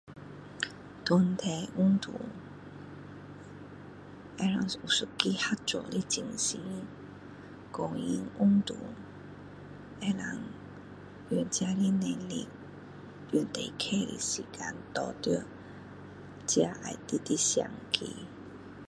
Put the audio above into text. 团体运动会有一个合作的精神个人运动可以用自己的能力用最快的时间拿到自己要的成绩